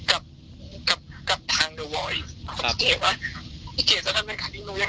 กับทางครับพี่เกศจะทำยังไงกับพี่หนูยังไงก็ได้แต่ว่าหนูขอลองได้ไหม